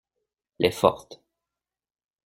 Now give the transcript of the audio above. Les fortes.